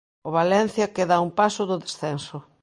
O Valencia queda a un paso do descenso.